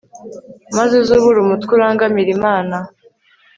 maze uzubure umutwe urangamire imana